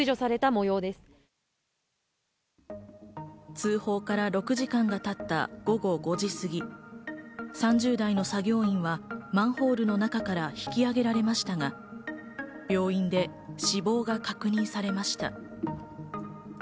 通報から６時間がたった午後５時過ぎ、３０代の作業員はマンホールの中から引き上げられましたが病院で死亡が確認されました。